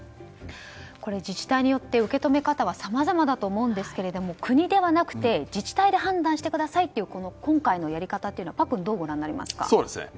自治体によって受け止め方はさまざまだと思うんですけど国ではなくて自治体で判断してくださいという今回のやり方パックンはどうご覧になりますか。